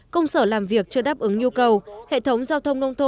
công sở làm việc chưa đáp ứng nhu cầu